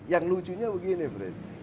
yang lucunya begini fred